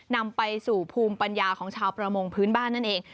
นำไปสู่ภูมิปัญญาของชาวประมงพื้นบ้านนั่นเอง